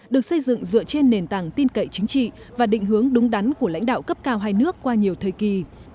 được xây dựng dựa trên nền tảng tin cậy chính trị và định hướng đúng đắn của lãnh đạo cấp cao hai nước qua nhiều thời kỳ